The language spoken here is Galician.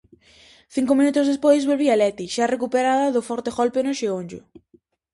Cinco minutos despois volvía Leti, xa recuperada do forte golpe no xeonllo.